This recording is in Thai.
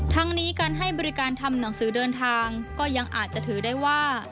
ทั้งนี้การให้บริการทำหนังสือเดินทางก็ยังอาจจะถือได้ว่า